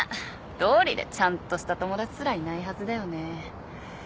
どうりでちゃんとした友達すらいないはずだよね。